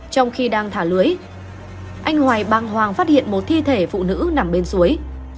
trong khi đang thả lưới anh hoài bàng hoàng phát hiện một thi thể phụ nữ nằm bên suối